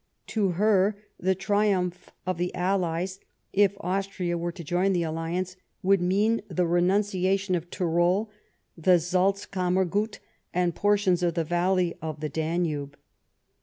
To her the triumph of the allies, if Austria were to join the alliance, would mean the renunciation of Tirol, the Salzkammero ut, and portions of the valley of the Danube.